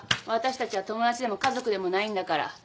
私たちは友達でも家族でもないんだから。